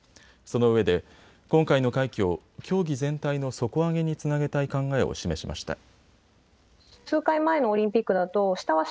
そのうえで今回の快挙を競技全体の底上げにつなげたい考えを示しました。